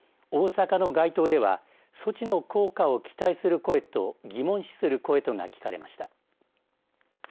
大阪の街頭では措置の効果を期待する声と疑問視する声とが聞かれました。